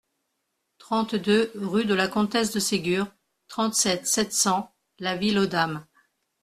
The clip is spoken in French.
trente-deux rue de la Comtesse de Ségur, trente-sept, sept cents, La Ville-aux-Dames